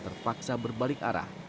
terpaksa berbalik arah